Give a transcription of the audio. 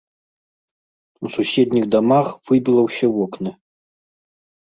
У суседніх дамах выбіла ўсе вокны.